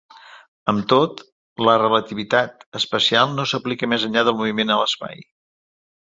Amb tot, la relativitat especial no s"aplica més enllà del moviment a l"espai.